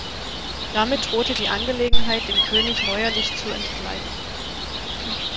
Damit drohte die Angelegenheit dem König neuerlich zu entgleiten.